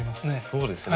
そうですよね。